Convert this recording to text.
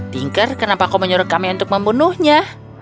tinker kenapa kau menyurut kami untuk membunuhnya